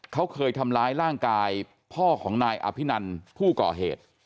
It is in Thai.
เขาเคยทำร้ายร่างกายพ่อของนายอภินันผู้ก่อเหตุ